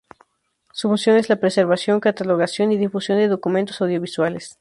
Su función es la preservación, catalogación y difusión de documentos audiovisuales.